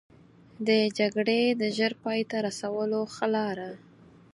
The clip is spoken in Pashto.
د جګړې د ژر پای ته رسولو ښه لاره.